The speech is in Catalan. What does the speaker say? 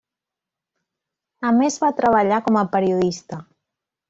A més va treballar com a periodista.